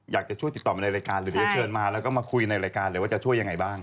อยากจะช่วยติดต่อมาในรายการหรือเดี๋ยวจะเชิญมาแล้วก็มาคุยในรายการเลยว่าจะช่วยยังไงบ้าง